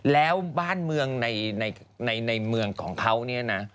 แล้วบ้านเมืองในเมืองของเขาเนี่ยนะ